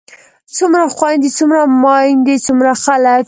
څومره خويندے څومره ميايندے څومره خلک